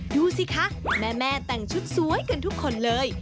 ดูสิคะแม่แต่งชุดสวยกันทุกคนเลย